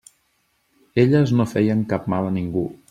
Elles no feien cap mal a ningú.